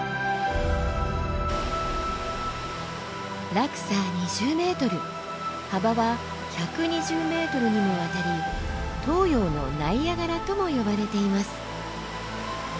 落差２０ｍ幅は１２０ｍにもわたり「東洋のナイアガラ」とも呼ばれています。